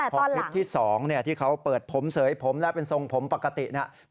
พอคลิปที่๒ที่เขาเปิดผมเสยผมและเป็นทรงผมปกติเนี่ย